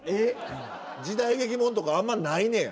時代劇もんとかあんまないねや。